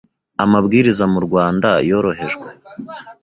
amabwiriza mu Rwanda yorohejwe,